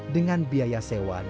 dengan pembinaan panti hafara